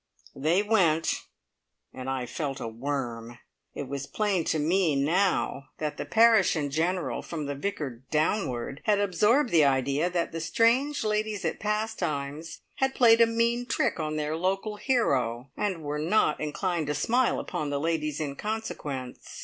They went, and I felt a worm. It was plain to me now that the parish in general, from the Vicar downward, had absorbed the idea that the strange ladies at Pastimes had played a mean trick on their local hero, and were not inclined to smile upon the ladies in consequence.